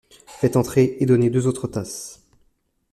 Faites entrer et donnez deux autres tasses.